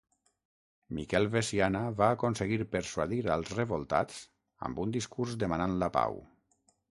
Miquel Veciana va aconseguir persuadir als revoltats amb un discurs demanant la pau.